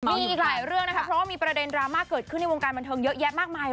มีอีกหลายเรื่องนะคะเพราะว่ามีประเด็นดราม่าเกิดขึ้นในวงการบันเทิงเยอะแยะมากมาย